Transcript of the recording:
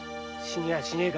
死にやしねぇ。